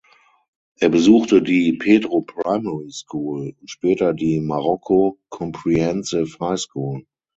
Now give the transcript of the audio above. Er besuchte die "Pedro Primary School" und später die "Marokko Comprehensive High School".